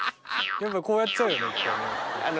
やっぱこうやっちゃうよね。